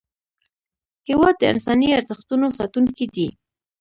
هېواد د انساني ارزښتونو ساتونکی دی.